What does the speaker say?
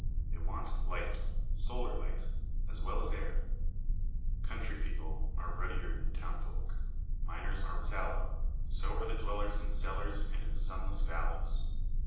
They want light, solar light, as well as air. Country people are ruddier than town folk ; miners are sallow, so are the dwellers in cellars and in sunless valleys.